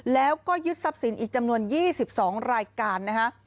แล้วก็ยึดทรัพย์สินอีกจำนวน๒๒รายการนะฮะ